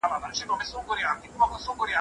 پېغمبر صلی الله علیه وسلم د مظلومانو ملاتړ کاوه.